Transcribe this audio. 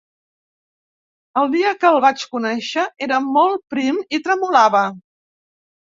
El dia que el vaig conèixer era molt prim i tremolava.